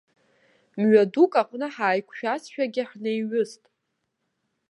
Мҩа дук аҟны ҳаиқәшәазшәагьы ҳнеиҩыст.